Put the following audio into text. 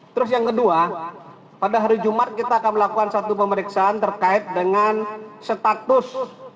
terus yang kedua pada hari jumat kita akan melakukan satu pemeriksaan terkait dengan status